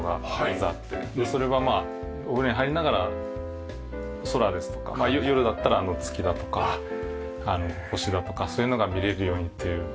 それはまあお風呂に入りながら空ですとか夜だったら月だとか星だとかそういうのが見れるようにという希望を出したんですね。